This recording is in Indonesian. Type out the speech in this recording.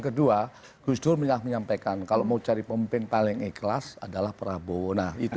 kedua gus dur menyampaikan kalau mau cari pemimpin paling ikhlas adalah prabowo nah itu